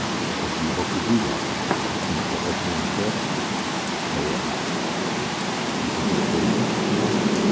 "What do you hope to do?" asked the girl. "Make that opening in the cliffs?" Theriere nodded. "Do you think me crazy?" he asked.